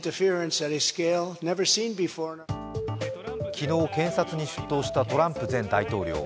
昨日、検察に出頭したトランプ前大統領。